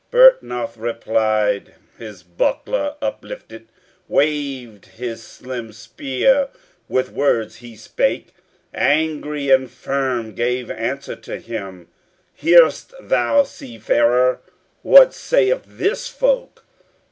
Byrhtnoth replied, his buckler uplifted, Waved his slim spear, with words he spake, Angry and firm gave answer to him: "Hear'st thou, seafarer, what saith this folk?